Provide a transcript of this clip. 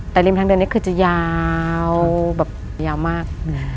แต่ริมทางเดินนี้คือจะยาวแบบยาวมาก